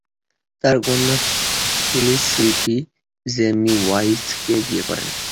তার কন্যা ফিলিস শিল্পী জেমি ওয়াইথকে বিয়ে করেন।